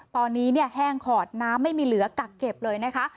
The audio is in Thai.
ตอนนี้แห้งขอดน้ำไม่มีเหลือกักเก็บเลยนะคะ